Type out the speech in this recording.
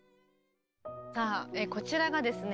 さあこちらがですね